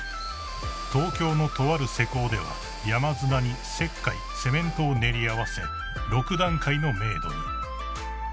［東京のとある施工では山砂に石灰セメントを練り合わせ６段階の明度に］